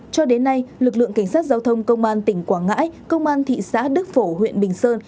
cho đến nay lực lượng cảnh sát giao thông công an tỉnh quảng ngãi công an thị xã đức phổ huyện bình sơn